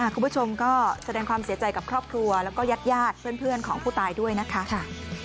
คุณผู้ชมก็แสดงความเสียใจกับครอบครัวแล้วก็ญาติเพื่อนของผู้ตายด้วยนะคะ